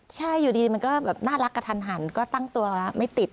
ใช่อยู่ดีมันก็แบบน่ารักกระทันหันก็ตั้งตัวแล้วไม่ติด